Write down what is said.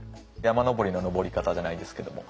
山登りの登り方じゃないんですけども。